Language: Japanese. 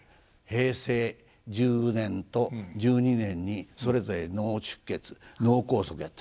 平成１０年と１２年にそれぞれ脳出血脳梗塞やったんです。